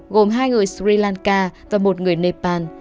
gồm hai người sri lanka và một người nepal